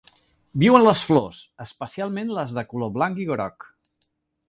Viu en les flors, especialment les de color blanc i groc.